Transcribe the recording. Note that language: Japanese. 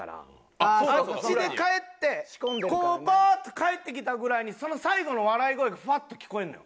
あっちで帰ってこうパーッと帰ってきたぐらいに最後の笑い声がフワッと聞こえるのよ。